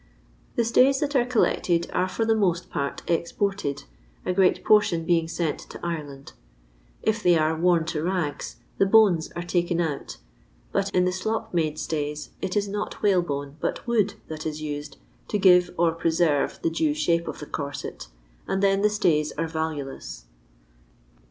The stays that are collected are for the most part ex ported, a great portion being sent to Ireland. If they are " worn to rags," the bones are taken out; but in the slop made stays, it is not whalebone, but wood that is used to give, or preserve the due shape of the corset, and then the stays are valueless.